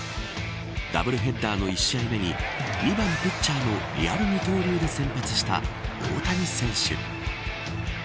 ダブルヘッダーの１試合目に２番ピッチャーのリアル二刀流で先発した大谷選手。